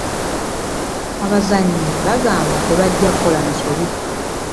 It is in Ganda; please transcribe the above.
Abazannyi bagamba tebajja kukola nsobi.